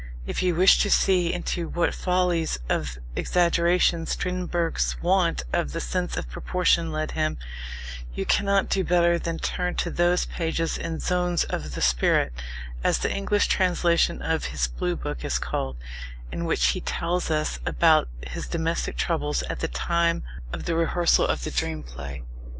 If you wish to see into twhat follies of exaggeration Strindberg's want of the sense of proportion led him, you cannot do better than turn to those pages in Zones of the Spirit (as the English translation of his Blue Book is called), in which he tells us about his domestic troubles at the time of the rehearsals of _The Dream Play.